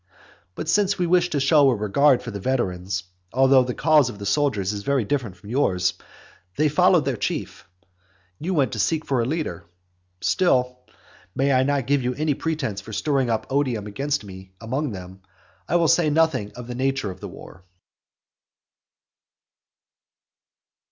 But since we wish to show a regard for the veterans, although the cause of the soldiers is very different from yours; they followed their chief; you went to seek for a leader; still, (that I may not give you any pretence for stirring up odium against me among them,) I will say nothing of the nature of the war.